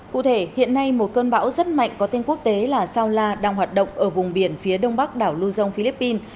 cụ thể hiện nay một cơn bão rất mạnh có tên quốc tế là sao la đang hoạt động ở vùng biển phía đông bắc đảo luzon philippines